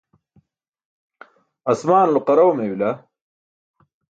asmaanulo qaraw mey bila